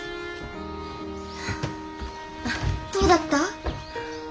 どうだった？